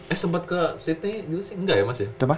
eh sempat ke sydney dulu sih nggak ya mas ya